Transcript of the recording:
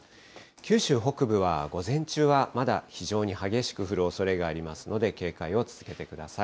九州北部は午前中はまだ非常に激しく降るおそれがありますので、警戒を続けてください。